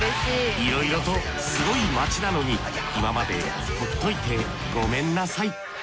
いろいろとすごい街なのに今までほっといてごめんなさい。